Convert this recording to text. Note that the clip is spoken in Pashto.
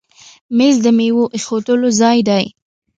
مېز د میوو ایښودلو ځای دی.